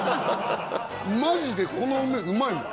マジでこの梅うまいもん。